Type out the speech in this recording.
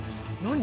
何？